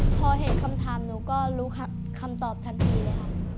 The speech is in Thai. พอเห็นคำถามหนูก็รู้คำตอบทันทีเลยค่ะ